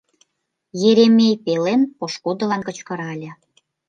— Еремей пелен пошкудылан кычкырале.